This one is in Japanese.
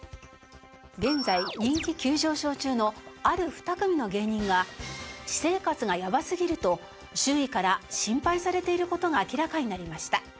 現在人気急上昇中のある２組の芸人が私生活がやばすぎると周囲からシンパイされている事が明らかになりました。